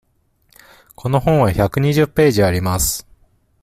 この本は百二十ページあります。